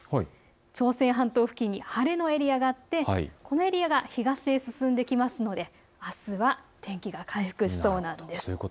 朝鮮半島付近に晴れのエリアがあってこのエリアが東に進んできますのであすは天気が回復しそうなんです。